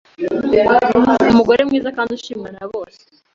umugore mwiza kandi ushimwa na bose.